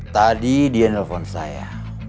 tadi dia nelfon saya